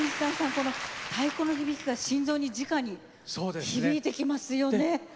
この太鼓の響きが心臓にじかに響いてきますよね。